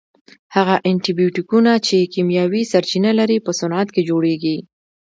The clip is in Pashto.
هغه انټي بیوټیکونه چې کیمیاوي سرچینه لري په صنعت کې جوړیږي.